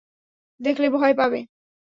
দেখলে ভয় পাবে।